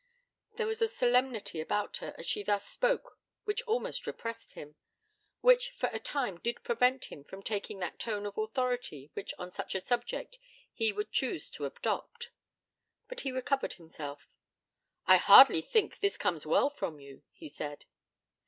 There was a solemnity about her as she thus spoke which almost repressed him, which for a time did prevent him from taking that tone of authority which on such a subject he would choose to adopt. But he recovered himself. 'I hardly think that this comes well from you,' he said.